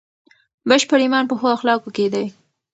بشپړ ایمان په ښو اخلاقو کې دی.